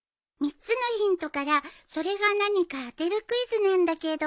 ３つのヒントからそれが何か当てるクイズなんだけど。